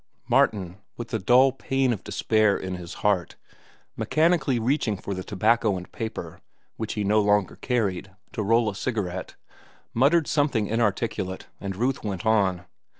Martin, with the dull pain of despair at his heart, mechanically reaching for the tobacco and paper (which he no longer carried) to roll a cigarette, muttered something inarticulate, and Ruth went on.